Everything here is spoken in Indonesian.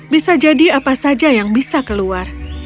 bisa jadi apa saja yang bisa keluar